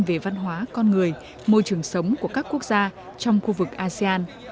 về văn hóa con người môi trường sống của các quốc gia trong khu vực asean